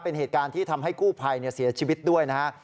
เป็นเหตุการณ์ที่ทำให้กู้ภัยเสียชีวิตด้วยนะฮะ